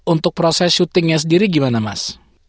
untuk proses syutingnya sendiri gimana mas